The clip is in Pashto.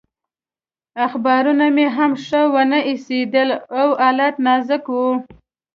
اخبارونه مې هم ښه ونه ایسېدل او حالت نازک و.